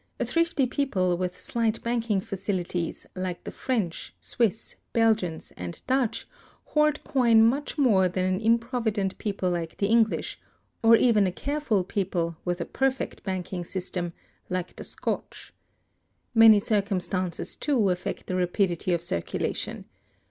A thrifty people with slight banking facilities, like the French, Swiss, Belgians, and Dutch, hoard coin much more than an improvident people like the English, or even a careful people, with a perfect banking system, like the Scotch. Many circumstances, too, affect the rapidity of circulation.